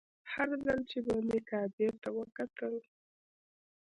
هر ځل چې به مې کعبې ته وکتل.